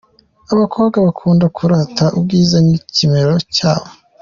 Abakobwa bakunda kurata Ubwiza n’Ikimero cyabo.